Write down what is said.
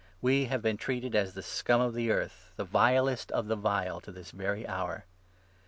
We have been treated as the scum of the earth, the vilest of the vile, to this very hour.